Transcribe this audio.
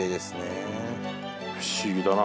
不思議だな。